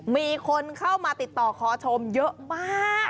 มีคนเข้ามาติดต่อขอชมเยอะมาก